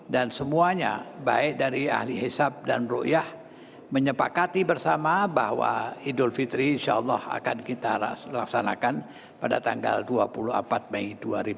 dan semuanya baik dari ahli hisab dan ru'yah menyepakati bersama bahwa idul fitri insyaallah akan kita laksanakan pada tanggal dua puluh empat mei dua ribu dua puluh